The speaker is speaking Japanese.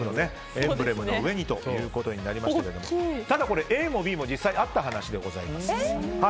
エンブレムの上にとなりましたがただ、ＡもＢも実際にあった話です。